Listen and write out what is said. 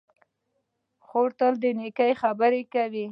خور تل نېکې خبرې کوي.